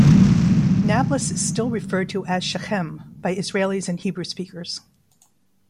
Nablus is still referred to as Shechem by Israelis and Hebrew speakers.